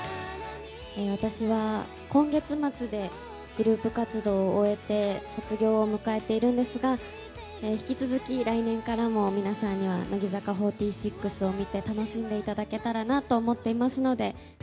私は今月末でグループ活動を終えて、卒業を迎えているんですが、引き続き来年からも、皆さんには乃木坂４６を見て、楽しんでいただけたらなと思っていますので。